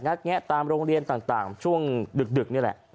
แงะตามโรงเรียนต่างช่วงดึกนี่แหละ